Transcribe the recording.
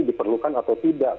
diperlukan atau tidak